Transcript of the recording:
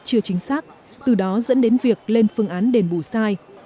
chưa chính xác từ đó dẫn đến việc lên phương án đền bù sai